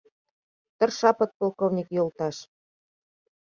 — Тырша, подполковник йолташ.